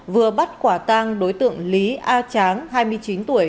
vừa bắt quả tang đối tượng lý a tráng hai mươi chín tuổi